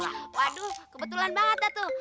waduh kebetulan banget datu